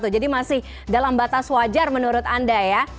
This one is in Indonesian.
jadi masih dalam batas wajar menurut anda ya